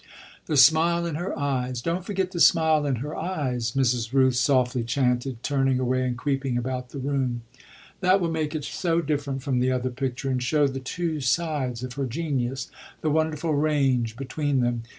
"The smile in her eyes don't forget the smile in her eyes!" Mrs. Rooth softly chanted, turning away and creeping about the room. "That will make it so different from the other picture and show the two sides of her genius, the wonderful range between them.